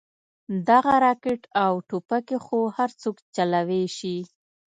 دغه راكټ او ټوپكې خو هرسوك چلوې شي.